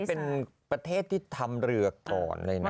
เป็นประเทศที่ทำเรือก่อนเลยนะ